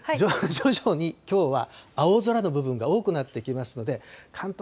徐々に今日は青空の部分が多くなってきますので、関東